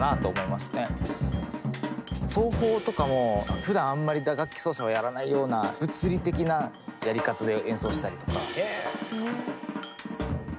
奏法とかもふだんあんまり打楽器奏者はやらないような物理的なやり方で演奏したりとか。